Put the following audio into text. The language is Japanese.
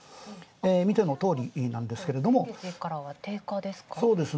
見てのとおりなんですけども低下ですか？